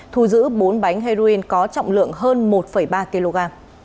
thu giữ bốn bánh heroin có trọng lượng hơn một ba kg